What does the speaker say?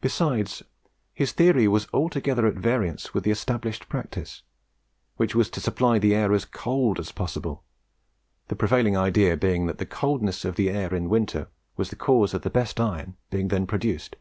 Besides, his theory was altogether at variance with the established practice, which was to supply air as cold as possible, the prevailing idea being that the coldness of the air in winter was the cause of the best iron being then produced.